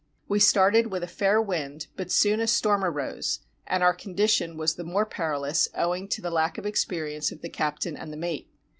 We started with a fair wind, but soon a storm arose, and our condition was the more perilous owing to the lack of experience of the captain and the mate.